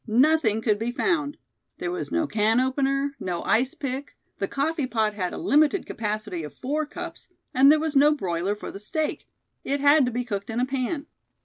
Nothing could be found. There was no can opener, no ice pick, the coffeepot had a limited capacity of four cups, and there was no broiler for the steak. It had to be cooked in a pan.